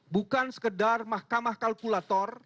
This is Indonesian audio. bukan sekedar mahkamah kalkulator